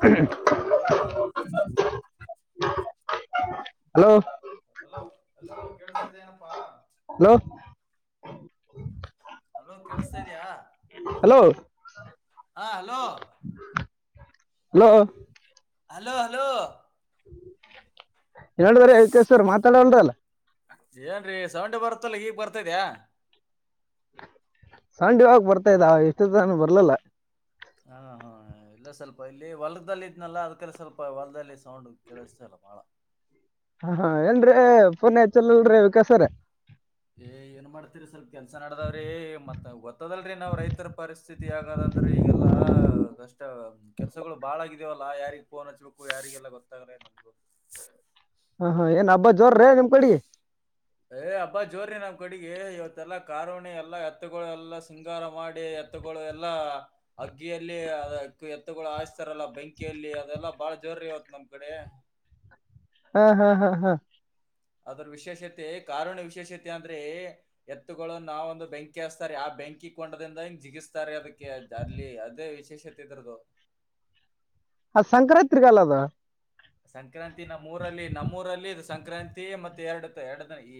ಹ hello hello hello hello ಕೇಳ ಸರಿ ಏನಪ್ಪಾ ಹಲೋ ಹಲೋ ಕೇಳಸ್ತಾ ಇದ ಇದ್ಯಾಾ ಹಲೋ ಹಾ ಹಲೋ ಹಲೋ ಹಲೋ ಹಲೋ ಎರಡುುವರೆ ಆಯ್ತು ಮಾತಾಡಲ್ರಲ್ಲ ಏನ್ರೀ ಸೌಂಡ್ ಬರ್ತಲ್ಲ ಈಗ್ ಬರ್ತದ್ಯಾ? ಸೌಂಡ್ ಇವಾಗ ಬರ್ತಿದೆ, ಎಷ್ಟು ತಾನ ಬರ್ಲಲ್ಲ ಹಾ ಹಾ ಇಲ್ಲ ಸ್ವಲ್ಪ ಇಲ್ಲಿ ಹೊಲದಲ್ಲಿ ಇದ್ನಲ್ಲ ಅದ್ಕ ಸ್ವಲ್ಪ ಹೊಲದಲ್ಲಿ ಸೌಂಡ್ ಕೆೇಳಿಸ್ತ ಇಲ್ಲ ಬಾಳ ಹ ಎಂದ್ರೆ ಪುನ ಹಚ್ಚಲಲ್ರೇ ವಿಕಾಸರ ಏ ಏನ್ ಮಾಡ್ತೀರಿ ಸ್ವಲ್ಪ ಕೆಲ್ಸ ನಡದಾವ್ರೀ ಮತ್ತ ಗೊತ್ತದಲ್ರರಿ ನಾವ್ ರೈತರ ಪರಿಸ್ಥಿತಿ ಯಗದ ಅಂದ್ರೆ ಈಗೆಲ್ಲಾ ಕಷ್ಟ ಕೆಲ್ಸಗಳು ಬಾಳಗಿದ್ಯವಲ್ಲಾ ಯಾರಿಗೆ ಫೋನ್ ಹಚ್ಬೇಕು ಯಾರಿಗೆಲ್ಲ ಗೊತ್ತಾಗಲ್ಲ ನಮಗು ಹ ಹಾ ಏನ್ ಹಬ್ಬ ಜೋರ ರೇ ನಿಮ್ ಕಡೆ ಏ್ ಹಬ್ಬಾ ಜೋರಿ ನಮ್ಮ್ ಕಡೆಗೆ ಇವತ್ತೆಲ್ಲಾ ಕಾರಣಿ ಎಲ್ಲಾ ಎತ್ತಗಳೆಲ್ಲಾ ಸಿೃಂಗಾರ ಮಾಡಿ ಎ ಎತ್ತುಗಳು ಎಲ್ಲಾ ಅಗ್ಗಿಯಲ್ಲಿ ಎತ್ತುಗಳು ಹಾಯಸ್ತಾರಲ್ಲ ಬೆಂಕಿಯಲ್ಲಿ ಅದೆಲ್ಲಾ ಬಾಳ ಜೋರ ಯಾವತ್ ನಮ್ ಕಡೆ ಹಾ ಹಾ ಹಾ ಹಾ ಅದ್ರ ವಿಶೇಷತೆ ಕಾರಣ ವಿಶೇಷತೆ ಅಂದ್ರೆ ಎತ್ತುಗಳ ನಾವ ಒಂದು ಬೆಂಕಿ ಹಸ್ತಾರೆ ಯ ಬೆಂಕಿ ಕೊಂಡದಿಂದ ಹೆಿಂಗ ಜಿಗಿಸ್ತಾರೆ ಅದಕ್ಕೆ ಅಲ್ಲಿ ಅದೇ ವಿಶೇಷತೆ ಇದ್ರದು [inaudible] ಅ ಸಂಕ್ರಾಂತರಿಗಾಲ ಅದ ಸಂಕ್ರಾಂತಿ ನಮ್ಮ್ೂರಲ್ಲಿ ನಮ್ಮೂರಲ್ಲಿ ಇ ಸಂಕ್ರಾಂತಿ ಮತ್ತೆ ಎರಡು ಎರಡು ಈ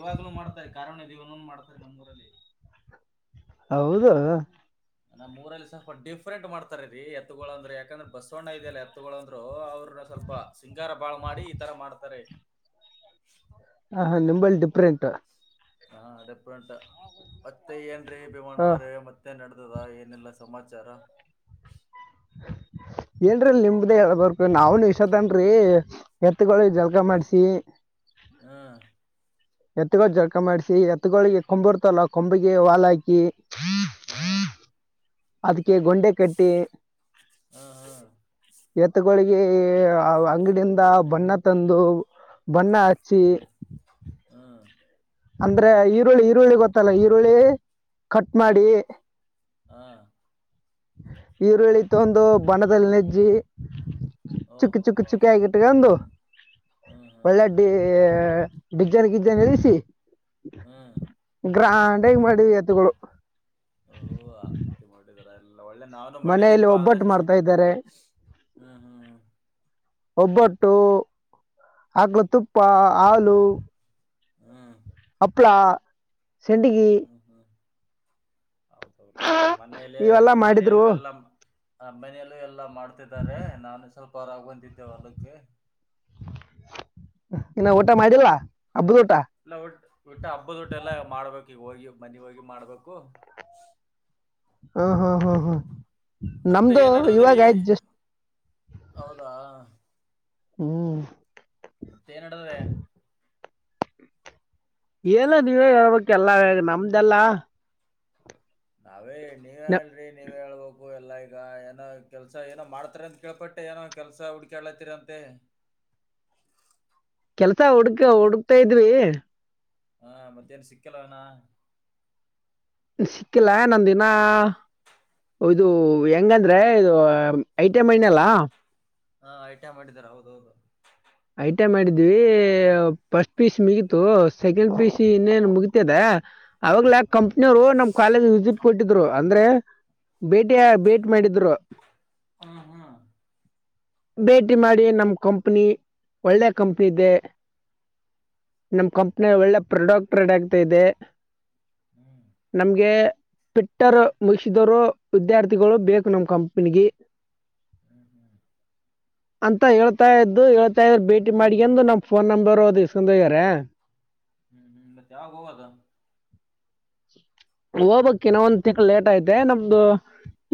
ಇವಾಗ್ಲೂ ಮಾಡ್ತಾರೆ ಕಾರಣ ದೇವನ ಮಾಡ್ತಾರೆ ನಮ್ಮ್ ಊರಲ್ಲಿ ಹೌದು ನಾ ಮೂರಲ್ಲಿ ಸ್ವಲ್ಪ ಡಿಫ್ರೆಂಟ್ ಮಾಡ್ತಾರ ರೀ ಎತ್ತುಗಳು ಅಂದ್ರೆ ಯಾಕಂದ್ರೆ ಬಸವಣ್ಣ ಇದದೆಲ್ಲ ಎತ್ತುಗಳಂದ್ರು ಅವ್ರರು ಸ್ವಲ್ಪ ಸಿಂಗಾರ ಬಾಳ ಮಾಡಿ ಈ ತರ ಮಾಡ್ತಾರೆ ಹಾ ನಿಂಬಲ್ಲಿ ಡಿಫ್ರೆಂಟ್ ಹಾ ಡೆಪ್ರೆಂಟ್ ಮತ್ತೆ ಏನ್ರೀ ಭಿಮಾ ಹಾ ಅವ್ರೆ ಮತ್ತೆ ನಡ ದ ಏನೆಲ್ಲಾ ಸಮಾಚಾರ ಹ ಏನ್ರೀ ನಿಮ್ದೇ ಹೇಳ್ಬರ್ು ನಾವ್ನು ಇಷೋತ್ತನ್ರಿ ಎತ್ಗಳಿ ಜಲ್ಕಾ ಮಾಡ್ಸಿ ಹ್ಮ ಎತ್ಗಳು ಜಡ್ಕ ಮಾಡ್ಸಿ ಎತ್ಗಳಿಗೆ ಕೊಂಬು ಇರ್ತಲ್ಲ ಕೊಂಬಿಗೆ ಹಾಲ್ ಹಾಕಿ ಹಾ ಅದಕ್ಕೆ ಗೊಂಡೆ ಕಟ್ಟಿ ಹ್ಮ್ ಎತ್ತಗಳಿಗೆ ಅಂಗಡಿಂದ ಬಣ್ಣ ತಂದು ಬಣ್ಣ ಚಿ ಹ್ಮ್ ಹ್ಮ್ ಅಂದ್ರೆ ಈರುಳ್ಳಿ ಈರುಳ್ಳಿ ಗೊತ್ತಲ್ಲ ಈರುಳ್ಳಿ ಕಟ್ ಮಾಡಿ ಹಾ ಇವರು ಹೇಳತ್ತು ಒಂದು ಬಣ್ಣದಲ್ಲಿ ನೆಜ್ಜಿ ಚುಕ್ಕ ಓಹೋ ಚುಕ್ಕ ಹೋ ಚುಕ್ಕಿ ಆಗಿಟ್ಟಕಂದು ಹ್ಮ್ ಹ್ಮ್ ಹ್ಮ್ ಒಳ್ಳೆಡ್ಡಿ ಡಿಜಜನ್ ಗಿಜಜನ್ ಎಳಿಸಿ ಹ್ಮ್ ಗ್ರಾಂಡಾಗಿ ಮಾಡಿವ ಎತ್ತುಗಳು ಓ ಹತ್ತಿ ಮಾಡಿದರ ಎಲ್ಲ ಅಲ್ಲ ಒಳ್ಳೆ ನಾವನು ಮನೆಯಲ್ಲಿ ಮಾಡಿದಿಪಾ ಒಬ್ಬಟ್ಟು ಅಂದಷ್ಟ ಮಾಡ್ತಾ ಇದ್ದಾರೆ ಹ್ಮ್ ಹ್ಮ್್ಮ್ ಒಬ್ಬಟ್ಟು ಹಕ್ಲು ತುಪ್ಪ ಹಾಲು ಹ್ಮ್ ಪಪ್ಳಾ ಸೆಂಡಗಿ ಹ್ಮ್ ಹ್ಮ್ ಹ್ಮ್ ಹೌದೌದು ನಮ್ಮ್ ಮನೇಲೆ ಇವೆಲ್ಲ ನಮ್ಮ ಮನೆಯಲ್ಲ ಮಾಡಿದ್ರು ಎಲ್ಲ ಆ ಮನೆಯಲ್ಲೂ ಎಲ್ಲಾ ಮಾಡ್ತಿದ್ದಾರೆ ನಾವು ಸ್ವಲ್ಪ ಹೊರಾಗ ಬಂದಿದ್ದೇವೆ ಅಲಕ್ಕೆ ಇನ್ನು ಊಟ ಮಾಡಿಲ್ಲ ಹಬ್ಬದ ಊಟ ಲಔಟ್ ಊಟ್ಟ ಹಬ್ಬದ ಟ ಎಲ್ಲ ಮಾಡ್ಬೇಕು ಈಗ ಹೋಗಿ ಮನಿ ಹೋಗಿ ಮಾಡ್ಬೇಕು ಹಾ ಹಾ ಹಾ ಹಾ ಮತ್ತೆ ಏನ್ ನಡ್ತದ್ರಿ ಹೌದಾ ಹ್ಮ್ ಮತ್ತೇಏನ್ಡತದೆ ಏನ ನೀವೇ ಹೇಳ್ಬೇಕ ಎಲ್ಲ ನಮ್ದಲ್ಲ ನಾವೇ ನೀವೇ ಅಲ್ರಿ ನೀವ ಹೇಳ್ಬೇಕು ಎಲ್ಲ ಈಗ ಏನೋ ಕೆಲ್ಸ ಏನೋ ಮಾಡ್ತಾರ ಅಂತ ಕೇಳ್ಪಟ್ಟೆ ಏನೋ ಕೆಲ್ಸ ಹುಡ್ಕಾಳ್ಲತ್ತರ ಅಂತೆ ಕೆಲ್ಸ ಹುಡುಕ್ ಹುಡುಕ್ತಾ ಇದ್ವಿ ಹಾ ಮತ್ತೇನ್ ಸಿಕ್ಕಲ್ಲ ಅವನ ಸಿಕ್ಕಿಲ್ಲ ನಂದಿನ ಇದು ಹೆಂಗಂದ್ರೆ ಇದು ಐಟ ಮೈನ್ ಅಲ್ಲಾ ಹಾ ಐಟಾ ಮಾಡಿದಾರ ಹೌದ ಹೌದು ಐಟಾ ಮಾಡಿದ್ವಿ ಫಸ್ಟ್ ಪೀ ಯು ಸಿ ಮುಗತು ಸೆಕೆಂಡ್ ಪೀಯು ಸಿ ಇನ್ನೇನ್ ಮುಗತದ ಅವಾಗಲ ಹಾ ಕಂಪ್ನಿ ಅವರು ನಮ್ ಕಾಲೇಜ್ ವಿಸಿಟ್ ಕೊಟ್ಟಿದ್ರು ಅಂದ್ರೆ ಭೇಟಿಯ ಭೇಟಿ ಮಾಡಿದ್ರು ಹ ಹಾ ಭೇಟಿ ಮಾಡಿ ನಮ್ಮ ಕಂಪನಿ ಒಳ್ಳೆ ಕಂಪನಿೆ ನಮ್ಮ ಕಂಪ್ನಿ ಒಳ್ಳೆ ಪ್ರಾಡಕ್ಟ್ ರೆಡ್ ಆಗ್ತಾ ಇದೆ ನಮ್ಗೆ ಿಟ್ಟರ್ ಮುಗಿಸಿದರು ವಿದ್ಯಾರ್ಥಿಗಳು ಬೇಕು ನಮ ಕಂಪನಿಿಗೆ ಹ್ಮ್ ಹ್ಮ್ ಅಂತ ಹೇಳ್ತಾ ಇದ್ದು ಹಳ್ ಭೇಟಿ ಮಾಡಿ ಅಂದು ನಮ್ ಫೋನ್ ನಂಬರ್ ಇಸ್ಕಾಡ್ ಹೋಗವ್ರೆ ಹ್ಮ್ ಹ್ಮ್ ಮತ್ತೆ ಯಾವಾಗ ಹೋಗದ ಹೋಗಬೇಕು ನಾವ ಒಂದು ತಿಂಗಳು ಲೇಟ್ ಆಯ್ತೆ ನಮ್ದು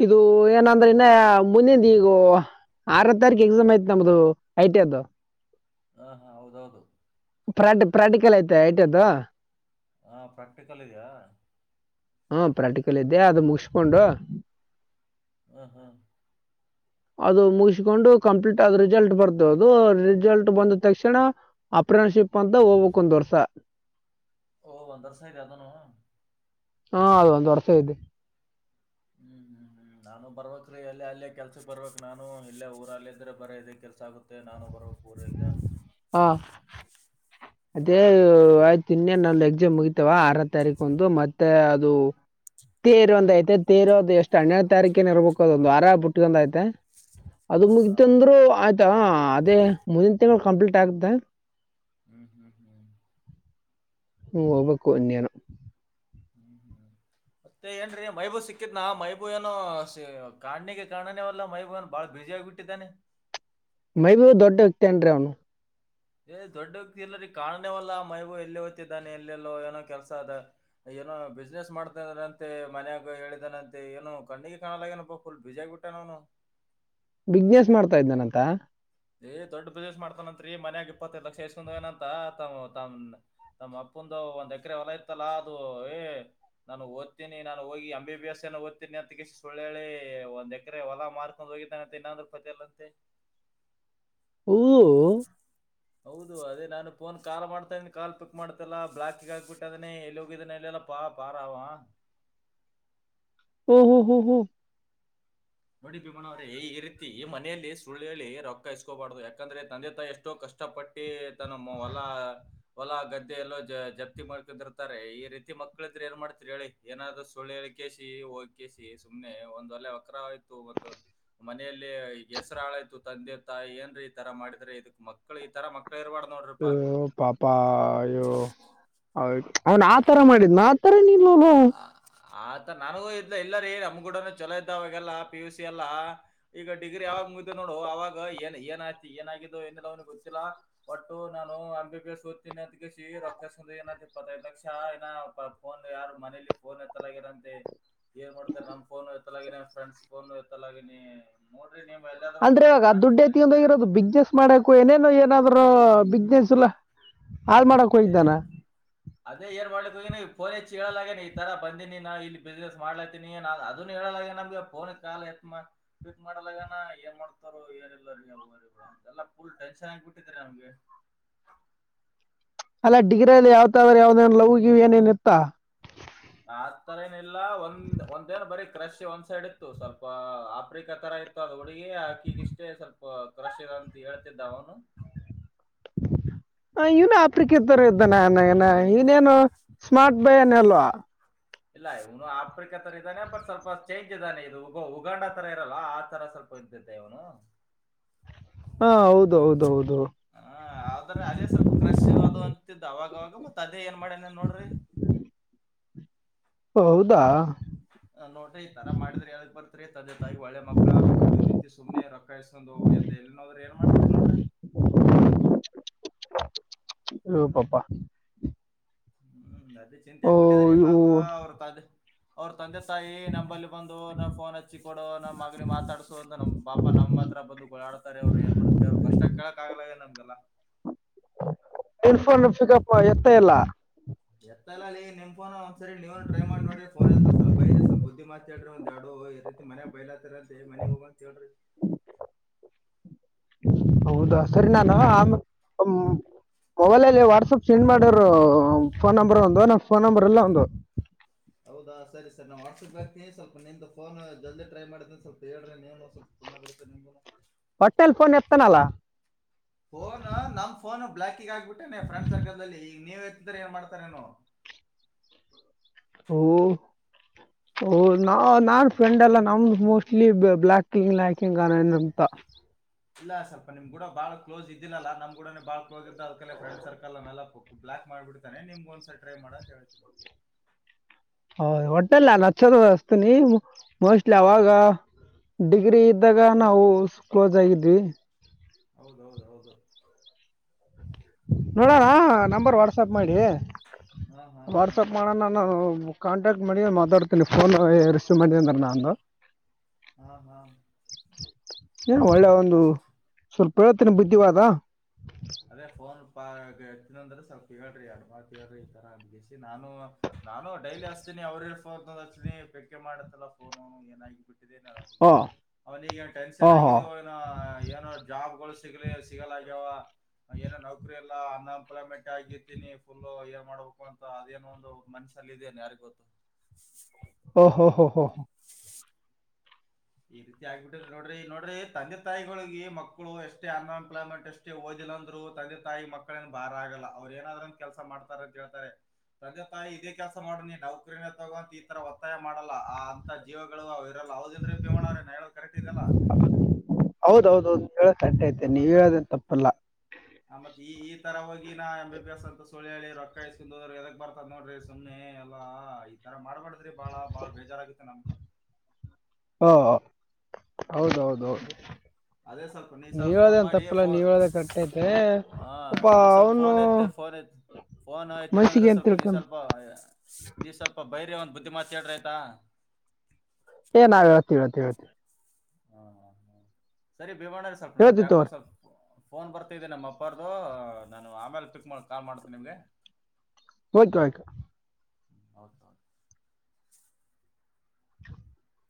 ಇದು ಏನಂದ್ರೆ ಇನ್ನ ಮುನಿಂದ ಈಗ ಆರೋ ತರಿಕು ಎಕ್ಸಾಮ್ ಐತೆ ನಮ್ದು ಐಟಿದು ಹಾ ಹಾ ಹೌದೌದು ಪ್ರಾಟ್ ಪ್ರಾಕ್ಟಿಕಲ್ ಐತೆ ಐಟಿ ಅದು ಹಾ ಪ್ರಾಕ್ಟಿಕಲ್ ಇದೆಯಾ ಹಾ ಪ್ರಾಕ್ಟಿಕಲ್ ಇದ್ದೆ ಅದು ಮುಗಿಸಕೊಂಡು ಹ್ಮ ಹ್ಮ ಅದು ಮುಗಿಸಿಕೊಂಡು ಕಂಪ್ಲೀಟ್ ಆದದ ರಿಸಲ್ಟ್ ಬರ್ತ ಅದು ರಿಸಲ್ಟ್ ಬಂದ ತಕ್ಷಣ ಅ ಇಂಟರ್ನ್ಶಿಪ್ ಪ್ ಅಂತ ಹೋಗ್ಕ್ ಒಂದ್ ವರ್ಷ ಹೊ ಒಂದ್ ವರ್ಷ ಇದೇನಾ ಅದುನ್ನು ಹಾ ಅದು ಒಂದು ವರ್ಷ ಇದೆ ಹ್ಮ್ ಹ್ಮ್ ಹ್ಮ್ ನಾನು ಬರ್ಬೇಕಕ್ ರೀ ಅಲ್ಲೇ ಅಲ್ಲೇ ಕೆಲ್ಸ ಬರ್ಬೇಕಕ್ ನಾನು ಇಲ್ಲ ಊರಲ್ಲ ಇದ್ರೆ ಬರ ಇದಕ್ಕೆ ಕೆಲ್ಸ ಆಗುತ್ತೆ ನಾನು ಬ ಬರ್ಬೆಕ್ ಉರಿಗ ಹಾ ಅದೇ ಹ್ಮ್ ಆಯ್ತು ಇನ್ನೆ ನಾ ಎಕ್ಸಾಮ್ ಮುಗಿತವ ಆರ ತಾರೀಕು ಒಂದು ಮತ್ ಮತ್ತೆ ಅದು ತೇರ ಒಂದ ಐತೆ ತೇರು ಅದು ಎಷ್ಟು ಹನ್ನೆರಡು ತಾರೀಕಿನ ಇರ್ಬೇಕು ಅದು ಒಂದು ವಾರ ಬಿುಟ್ಗಂದೈತೆ ಅದು ಹೌದಾ ಮುಗಿತ ಅಂದ್ರು ಆಯ್ತಾ ಅದೇ ಮುಂದಿನ ತಿಂಗಳು ಕಂಪ್ಲೀಟ್ ಆಗುತ್ತೆ ಹ್ಮ್ ಹ್ಮ್ ಹ್ಮ್ ಹ್ಮ್ ಹೋಗ್ಬೇಕು ಇನ್ನೇನು ಹ್ಮ್ ಹ್ಮ ಮತ್ತೆ ಏನ್ರಿ ಮೈಬೂ ಸಿಕ್ಕಿದ್ನಾ ಮೈಬೂ ಏನು ಕಾಣ್ಣಿಗೆ ಕಾಣನೇವಲ್ಲಾ ಮೈಬೂ ಏ ಬಾಳ ಬ ಬ್ಯುಸಿ ಆಗ್ಬಿಟನೆ ಮೈಬು ದೊಡ್ಡ ವ್ಯಕ್ತನ್ರೀ ಅವನು ಹೆ ದೊಡ್ಡೋಗತಿ ಇಲ್ಲರಿ ಕಣೇವಲ್ಲ ಮೈಬೂ ಎಲ್ಲಿ ಓತ್ತಿದ್ದಾನೆ ಎಲ್ಲೆಲ್ಲೋ ಏನೋ ಕೆಲಸ ಅದ ಏನೋ ಬಿಸ್ನೆಸ್ ಮಾಡ್ತಂತೆ ಮನಯಾಗ ಹೇಳಿದನಂತೆ ಏನು ಕಣ್ಣಿಗೆ ಕಾಣಲಾಗಏನಪ್ಪ ಫುಲ್ ಬ್ಯುಸಿ ಆಗ್ಬಿಟ್ಟನ್ ಅವ್ನು [inaudible] ಬಿಸ್ನೆಸ್ ಮಾಡ್ತಾ ಇದನನಂತ ಏ್ ದೊಡ್ ಬಿಸ್ನೆಸ್ ಮಾಡತಾನತ್ರಿ ಮನ್ಯಾಗ ಇಪ್ಪತ್ತೈ ಲಕ್ಷ ಎಸ್ಕಂದನಂತ ತಾವ್ ತನ್ ನಮ್ಮ್ ಅಪ್ಪಂದು ಒಂದ್ ಎಕರೆ ಹೊಲ ತ್ತತಲ್ಲಾ ಅದು ಏ ನಾನು ಓದ್ತೀನಿ ನಾನು ಹೋಗಿ ಎ ಬಿ ಬಿ ಎಸ್ ಓಡ್ತೀನಿ ಅಂಥಾ ಸುಲಹೇಲಿ ಒಂದ್ ಎಕರೆ ಹೊಲಾ ಮಾರ್ಕೊಂಡ್ ಹೋಗಿದ್ದಾನೆ ಅಂತ ಇನ್ನಂದ್ರ ಪತಲ್ಲ ಅಂತೆ [inaudible] ಹೊ ಹೌದು ಅದೇ ನಾನ ಫೋನ್ ಕಾಲ್ ಮಾಡ್ತಾಯಿದೀನಿ ಕಾಲ್ ಪಿಕ್ ಮಾಡ್ತಲ್ಲ ಬ್ಲಾಕಿಗೆ ಹಾಕ್ಬಿಟ್ಟದಾನೆ ಎಲ್ಲಿ ಹೋಗಿದ್ದಾನೆಲಲ್ಲ ಪಾ ಬಾರಾವ ಹೊ ಹೊ ಹೋ ಹೋ ನೋಡಿ ಭೀಮಣ್ಣ ಅವ್ರೆ ಈ ರೀತಿ ಮನೆಯಲ್ಲಿ ಸುಳ್ಳು ಹೇಳಿ ರೊಕ್ಕ ಇಸ್ಕೋಬಾರ್ದು ಯಾಕಂದ್ರೆ ತಂದೆ ತಾಯಿ ಎಷ್ಟೋ ಕಷ್ ಕಷ್ಟ ಪಟ್ಟಿ ತನ್ನ ಹೊಲ ಹೊಲ ಗದ್ದೆಯಲ್ಲ ಜಪ್ತಿ ಮಾಡಕೊಂಡಿರ್ತಾರೆ ಈ ರೀತಿ ಮಕ್ಕಳ ಇದ್ರೆ ಏನ್ ಮಾಡ್ತಿರಿ ಹೇಳಿ ಏನಾದ್ರು ಸುಳ್ಳ ಹೇಳ ಕೇಸಿ ಹೋಗಿ ಕೇಸಿ ಸುಮ್ಮನೆ ಒಂದ ಒಲೆ ಎಕ್ರ ಹೂ ಒಂದು ಮನೆಯಲ್ಲಿ ಹೆಸ್ರ ಹಾಳಾಯ್ತು ತಂದೆ ತಾಯಿ ಏನ್ರಿ ಈ ತರ ಮಾಡಿದ್ರೆ ಇದಕ್ ಮಕ್ಳು ಈ ತರ ಮಕ್ ಅಯ್ಯೋ ಪಾಪ ಅಯ್ಯೋ ಅವನ್ ಆತರ ಮಾಡಿದ್ನ ಥರ ನೀನು ಆತ ನನಗೂ ಇ ಇ ಇಲ್ಲರಿ ನಮ್ಗೂಡನ ಚಲೋ ಇದ್ದ ಅವಾಗೆಲ್ಲ ಪಿ ಯು ಸಿ ಎಲ್ಲ ಈಗ ಡಿಗ್ರಿ ಯಾವಾಗ ಮುಗಿದಿದೆ ನೋಡು ಅವಾಗ ಏನ್ ಏನ್ ಆಯ್ತಿ ಏನಾಗೆದೋ ಏನಿಲ್ಲ ಅವನಿಗೆ ಗೊತ್ತಿಲ್ಲ ಒಟ್ಟು ನಾನು ಎಂಬಿ ಬಿ ಎಸ್ ಓದತ್ತೇನೆ ಅಂತ ಅಂದು ಕೇಸಿ ರೊಕ್ಕ ಇಸ್ಕೊಂಡಿದ್ರೆ ಏನ ಆಗ್ತಿತ್ತು ಇಪ್ಪತ್ತೈದು ಲಕ್ಷ ಇನಾ ಫೋನ್ ಯಾರು ಮನೇಲಿ ಫೋನ್ ಏತ್ತಲ್ಲ ಆಗೇದ ಅಂತೆ ಏನ್ ಮಾಡ್ತಾರೆ ನಮ್ಮ ಫೋನು ಎತ್ತಲಾಗಿನ ಫ್ರೆಂಡ್ಸ್ ಫೋನು ಎತ್ತಲಾಗಿನಿ ನೀವು ಎಲ್ಲಾದ್ರೂ ಅಂದ್ರೆ ಇವಾಗ ದುಡ್ಡ ಕಾಂಟ್ಯಾಕ್ಟ್ ನಲ್ಲಿ ಎತ್ಕೊಂಡು ಇದ್ದೀರ ಹೋಗಿರೋದು ಬಿಸ್ನೆಸ್ ಮಾಡಕ ಹೋಗ್ಯಾನೇನು ಏನಾದ್ರು ಬಿಸ್ನೆಸ್ ಎಲ್ಲ ಹಾಳ ಮಾಡಕ್ ಎಲ್ಲಿ ಹೋಗಿದ್ದಾನ ಅದೇ ಏನ್ ಮಾಡಲಕ ಹೋಗ್ಯಾನ ಏನು ಫೋನ್ ಹಚ್ಚಿ ಹೇಳಲ್ಲ ಆಗ್ಯನ ಈ ತರ ಬಂದಿದೀನಿ ನಾ ಇಲ್ಲಿ ಬಿಸ್ನೆಸ್ ಮಾಡ್ಲಾತಿನಿ ಅದನು ಹೇಳಲ್ಲ ಆಗ್ಯದ ನಮ್ಗೆ ಫೋನ್ ಕಾಲ್ ಎತ್ತಿ ಮಾಡಿ ಪಿಕ್ ಮಾಡಲ್ಲ ಆಗ್ಯನ ಏನ್ ಮಾಡ್ತಾರೋ ಏನಿಲ್ಲೋ ಎಲ್ಲಾ ಫುಲ್ ಟೆನ್ಷನ್ ಆಗಿ ಬಿಟ್ಟಿದೇ ರೀ ನಮಗೆ ಅಲ್ಲ ಡಿಗ್ರಿ ಅಲ್ಲಿ ಯಾವತಾವ್ರ ಯಾವ್ದನ್ ಲವ್ ಗಿವ್ ಏನೇನ ಇತ್ತ ಆ ತರ ಏನಿಲ್ಲಾ ಒಂದ್ ಒಂದೇನ್ ಬರೀ ಕ್ರಶ್ ಒಂದ್ ಸೈಡ್ ಇತ್ತು ಸ್ವಲ್ಪ ಆಫ್ರಿಕಾ ತರ ಇತ್ತು ಅದು ಅವಿಗೆ ಆಕಿಗಿಷ್ಟೇ ಸ್ವಲ್ಪ ಕ್ರಶ್ ಇರಂತ ಹೇಳ್ತಿದ್ದ ಅವನು ಇವನು ಆಫ್ರಿಕ ತರ ಇದ್ದಾನೆನನ ಇವನೇನು ಸ್ಮಾರ್ಟ್ ಬಾಯ್ ಏನ್ ಅಲ್ವಾ ಇಲ್ಲ ಇವನು ಆಫ್ರಿಕಾ ತರ ಇದ್ದಾನೆ ಬಟ್ ಸ್ವಲ್ಪ ಚೇಂಜ್ ಇದಾನೆ ಇದು ಉಗ ಉಗಾಂಡ ತರ ಇರಲ್ಲ ಆ ತರ ಸ್ವಲ್ಪ ಪದ್ಧತ ಇವನು ಹಾ ಹೌದು ಹೌದು ಹೌದು ಹ ಆದ್ರೆ ಅದೇ ಸ್ವಲ್ಪ ಕ್ರಶ್ ಅದು ಅಂತಿದ್ದ ಅವಾಗವಾಗ ಮತ್ ಅದೇ ಏನ್ ಮಾಡ್ಯಾನ್ ಏನ್ ನೋಡ್ರಿ ಹೌದಾ ಆ, ನೋಡ್ರಿ ಈ ತರ ಮಾಡಿದ್ರೆ ಹೇಳಕ್ ಬರ್ತ್ರಿ ತಂದೆ ತಾಯಿ ಒಳ್ಳೆ ಮಕ್ಕಳಾಗ್ಬೇಕು ಈ ರೀತಿ ಸುಮ್ನೆ ರೊಕ್ಕ ಇಸ್ಕೊಂಡು ಎದ್ದು ಎಲ್ಲಿ ನೋಡ್ರಿ ಏನ್ ಮಾಡ್ತೀರಿ ನೋಡ್ರಿ ಅಯ್ಯೋ ಪಾಪ ಹ್ಮ್ ಅದೇ ಚಿಂತೆ ಓ ಆಗ್ಬಿಟ್ಟಿದ್ರೀ ಇವು ಪಾಪ ಅವ್ರ ತಂದೆ ಅವ್ರ ತಂದೆ ತಾಯಿ ನಂಬಲ್ಲಿ ಬಂದು ನ ಫೋನ್ ಹಚ್ಚಿ ಕೊಡು ನಮ್ಮ್ ಮಗನ ಮಾತಾಡಸು ನಮ್ಮ ಪಾಪ ನಮ್ಮ ಹತ್ರ ಬಂದ ಗೋಳಾಡುತ್ತಾರೆ ಅವ್ರು ಅವರು ಏನ್ ಮಾಡ್ತೀರಿ ಅವ್ರು ಕಷ್ಟ ಕೇಳಕ ಆಗಲ್ಲ ಆಗ್ಯದ ನಮಗೆಲ್ಲ ಇನ್ ಫೋನ್ ಪಿಕಪ್ ಎತ್ತತಾ ಇಲ್ಲ ಎತ್ತಲ್ಲ ಲೇ ನಿಮ್ಫೋನ್ ಒಂದ್ ಸರಿ ನೀವನು ಟ್ರೈ ಮಾಡಿ ನೋಡರಿ ಫೋನ್ ಎತ್ತಸರೀ ಸ್ವಲ್ಪ ಬೈರಿ ಸ್ವಲ್ಪ ಬುದ್ಧಿ ಮಾತು ಹೇಳ್ರಿ ಒಂದ್ ಹ ಈ ರೀತಿ ಮನ್ಯಾಗ ಬಯಲಾತ್ತರ ಅಂತೆ ಮನೆಗ್ ಹೋಗಂತ ಹೇಳ್ರಿ ಹೌದಾ ಸರಿ ನಾನು ಆಮೇಲೆ ಮೊಬೈಲಲ್ಲಿ ವಾಟ್ಸಪ್ ಸೆಂಡ್ ಮಾಡಿರು ಫೋನ್ ನಂಬರ್ ಅವಂದು ನಂಗೆ ಫೋನ್ ನಂಬರ್ ಇಲ್ಲ ಅವಂದು ಹೌದಾ ಸರಿ ಸರಿ ನಾನ್ ವಾಟ್ಸಪ್ ಗೆ ಹಾಕ್ತೀನಿ ಸ್ವಲ್ಪ ನಿಂದು ಫೋನ್ ಜಲ್ದಿ ಟ್ರೈ ಮಾಡಿದೇನ ಸ್ವಲ್ಪ ಹೇಳ್ರಿ ನೀನು ಒಟ್ಟಿನಲ್ಲಿ ಫೋನ್ ಎತ್ತತಾನಲ್ಲ ಫೋನ್ ನಮ್ ಫೋನ್ ಬ್ಲಾಕಿಗೆ ಹಾಕ್ಬಿಟ್ಟಾನೆ ಫ್ರೆಂಡ್ ಸರ್ಕಲ್ದಲ್ಲಿ ಈಗ ನೀವ ಎತ್ತುತ್ತಾನೆ ಏನ್ ಮಾಡ್ತಾರೇನು ಓ ಹೊ ಓ ನಾ ನಾನ್ ಫ್ರೆಂಡ್ ಎಲ್ಲ ನಮ್ದು ಮೋಸ್ಟ್ಲಿ ಬ್ಲಾಕ್ ಯಾಕಿಂಗ್ ಏನಂತ [unintelligible] ಇಲ್ಲ ಸ್ವಲ್ಪ ನಿಮ್ ಗುಡ ಬಾಳ ಕ್ಲೋಸ್ ಇದ್ದಿಲ್ಲಲ್ಲ ನಮ್ ಗುಡನೆ ಬಾಳ ಕ್ಲೋಸ್ ಇದ್ದ ಅದಕಲೇ ಫ್ರೆಂಡ್ ಸರ್ಕಲ್ ಅವನೆಲ್ಲ ಬ್ಲಾಕ್ ಮಾಡ್ಬಿಡ್ತಾನೆ ನಿಮ್ಗ ಒಂದ್ಸಲ ಟ್ರೈ ಮಾಡ ಅಂತ ಹೇಳಿದ್ನೆ ಹೌದ ಹೊಟ್ಟನಲ್ಲಿ ನಾನ ಹಚ್ಚದ ಹಸ್ತನಿ ಮೋಸ್ಟ್ಲಿ ಅವಾಗ ಡಿಗ್ರಿ ಇದ್ದಾಗ ನಾವು ಕ್ಲೋಸ್ ಆಗಿದ್ವಿ ಹೌದೌದ ಹೌದು ನೋಡೋಣ ನಂಬರ್ ವಾಟ್ಸಪ್ ಮಾಡಿ ಹಾ ಹಾ ಹಾ ವಾಟ್ಸಪ್ ಮಾಡೋಣ ನಾನು ಕಾಂಟ್ಯಾಕ್ಟ್ ಮಾಡಿ ಮಾತಾಡ್ತೀನಿ ಫೋನ್ ರಿಸೀವ್ ಮಾಡಿದ ಅಂದ್ರೆ ನಂದು ಹ್ಮ ಹಾ ಏ ಒಳ್ಳೆ ಒಂದು ಅಷ್ಟೇ ಸ್ವಲ್ಪ ಹಳತ್ತಿನ ಬುದ್ಧಿವಾದ ಅದೇ ಫೋನ್ ಪತ್ತಿನಂದ್ರೆ ಸ್ವಲ್ಪ ಹೇಳ್ರಿ ಅಡು ಮಾತ ಹೇಳ್ರಿ ಈ ತರ ಅಗಿಸಿ ನಾನು ನಾನು ಡೈಲಿ ಹಚ್ತಿನಿ ಅವ್ರ ಇರ್ನಿ ಪೇಕ ಮಾಡತ್ತಲ್ಲ ಫೋ ಏನ ಬಿಟ್ಟ ಅವ ಓ ಅವನಿಗ ಓ ಟೆನ್ಷನ್ ಹೋ ಆಗಿದ ಏನೋ ಜಾಬ್ ಸಿಗ ಸಿಗಲಾಗ್ಯಾವ ಏನೋ ನೌಕರಿ ಎಲ್ಲ ಅನ್ಎಂಪ್ಲಾಯ್ಮೆಂಟ್ ಆಗಿರ್ತೀನಿ ಫುಲ್ ಏನ್ ಮಾಡ್ಬೇಕು ಅಂತ ಅದೇನೋ ಒಂದು ಮನ್ಷ ಇದೇನೆ ಯಾರಿ ಗೊತ್ತು ಹ ಹೋ ಹ ಹ ಈ ರೀತಿ ಆಗ್ಬಿಟ್ಟ್ರ ನೋಡ್ರಿ ನೋಡ್ರಿ ತಂದೆ ತಾಯಿಗಳಿಗೆ ಮಕ್ಕಳು ಎಷ್ಟೇ ಅನ್ಎಂಪ್ಲಾಯ್ಮೆಂಟ್ ಎಷ್ಟೇ ಓದಿ ಲ್ಲಂದ್ರು ತಂದೆ ತಾಯಿ ಮಕ್ಕಳೇಏನ್ ಬ ಭಾರ ಆಗಲ್ಲ ಅವ್ರು ಏನಾದ್ರ ಒನ್ ಕೆಲಸ ಮಾಡ್ತಾರ ಅಂತ ಹೇಳ್ತಾರೆ ತಂದೆ ತಾಯಿ ಇದೇ ಕೆಲ್ಸ ಮಾಡನಿ ನೌಕರಿನ ತಗೋಂತ ಈ ತರ ಒತ್ತಾಯ ಮಾಡಲ್ಲ ಆ ಅಂತ ಜೀವಗಳು ಲ್ಲ ಹದ ಇದ್ರೆ ಪೀಮಣ್ರ ನಾ ಹೇಳ ಕರೆಕ್ಟ್ ಇದಲ್ಲ ಹೌದೌದು ಹೇಳೋ ಕರೆಕ್ಟ್ ಐತೆ ಆ ನೀವು ಮತ್ ಹೇಳೋದೇನು ತಪ್ಪಲ್ಲ ಆತ್ ಈ ಈ ತರ ಹೋಗಿನ ಎ ಬಿ ಬಿ ಎಸ್ ಅಂತ ಸಿ ಹೇಳಿ ರ ಕೈಸ್ಕೊಂಡ ಹೋದ್ರ ಎದಕ್ ಬರ್ತದ ನೋಡ್ರಿ ಸುಮ್ನೆ ಎಲ್ಲಾ ಈ ತರ ಮಾಡ್ಬಾರ್ದ ರಿ ಬಾಳ ಬಾಳ ಬೇಜಾರಾಗುತ್ತೆ ನಮ್ಗೆ ಹೌದೌದೌದು ಅದೇ ಸ್ವಲ್ಪ ನೀವ್ಸಲ್ ಫೋನ್ ಮಾಡಿಯೇೋ ನೀವು ಹೇಳೋದೇ ಕರೆಕ್ಟ್ ಐತೆ ಹ ಪಾಪ ನೀವ್ ಸ್ವಲ್ಪ ಅವನು ಫೋನ್ ಐತ್ತ ನ್ ಫೋನ್ ಐತ ಅಂದ್ರೆ ಮನಸ್ಸಿಗೆ ಏನು ಸ್ವಲ್ಪ ನೀ ತಿಳ್ಕೊಂಡು ಸ್ವಲ್ಪ ನೀ ಸ್ವಲ್ಪ ಬೈರ್ಯ ಒಂದ್ ಬ ಮತ್ತೇಟ್ರ ಆಯ್ತಾ ಏ ನಾವ ರತವಿತ ಹತ ಹಾ ಹ ಸರಿ ಬಿವಣ್ಣ್ರ ಸ್ವಲ್ಪ ನಮ್ದು ಹೇಳ್ತೀವಿ ಯಕೋ ತಗೋರಿ ಸ್ವಲ್ಪ ಫೋನ್ ಬರ್ತಿದ್ದೆ ನಮ್ಮ ಅಪ್ಪಾರದುು ನಾನು ಆಮೇಲೆ ಪಿಕ್ ಮಾಡ ಕಾಲ್ ಮಾಡ್ತೇನಿ ನಿಮ್ಗೆ ಹಯ್ತು ಆಯ್ತು ಹೌದೌದು [inaudible]